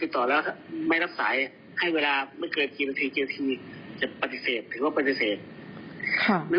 ต่อให้เขาถ่ายไปก็ต้องระผึ่งที่